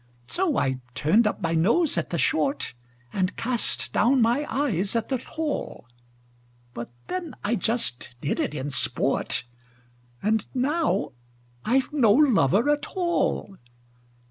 So I turned up my nose at the short, And cast down my eyes at the tall; But then I just did it in sport And now I've no lover at all!